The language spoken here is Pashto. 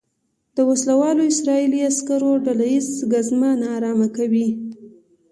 د وسلوالو اسرائیلي عسکرو ډله ییزه ګزمه نا ارامه کوي.